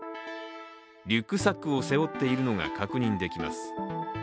リュックサックを背負っているのが確認できます。